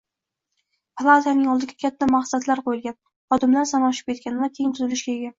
Palataning oldiga katta maqsadlar qo'yilgan, xodimlar soni oshib ketgan va keng tuzilishga ega